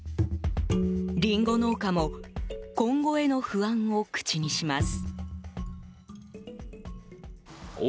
リンゴ農家も今後への不安を口にします。